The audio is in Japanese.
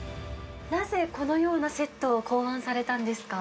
なぜこのようなセットを考案されたんですか。